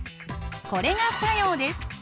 これが作用です。